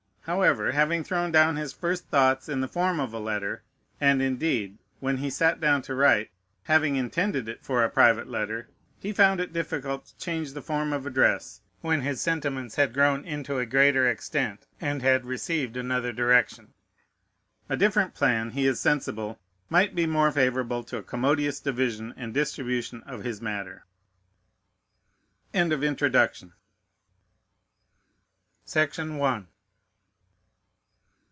However, having thrown down his first thoughts in the form of a letter, and, indeed, when he sat down to write, having intended it for a private letter, he found it difficult to change the form of address, when his sentiments had grown into a greater extent and had received another direction. A different plan, he is sensible, might be more favorable to a commodious division and distribution of his matter. REFLECTIONS ON THE REVOLUTION IN FRANCE.